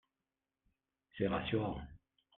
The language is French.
C’est rassurant